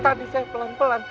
tadi saya pelan pelan